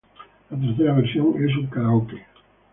La tercera versión es un karaoke.